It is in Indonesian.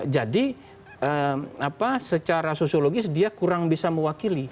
jadi secara sosiologis dia kurang bisa mewakili